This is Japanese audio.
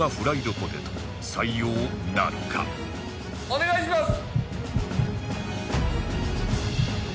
お願いします！